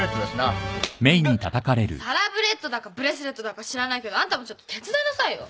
サラブレッドだかブレスレットだか知らないけどあんたもちょっと手伝いなさいよ。